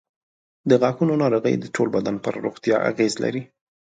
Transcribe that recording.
د غاښونو ناروغۍ د ټول بدن پر روغتیا اغېز لري.